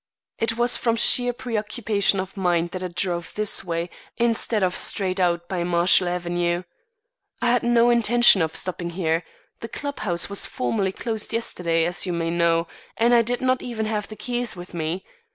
It was from sheer preoccupation of mind that I drove this way instead of straight out by Marshall Avenue. I had no intention of stopping here; the club house was formally closed yesterday, as you may know, and I did not even have the keys with me.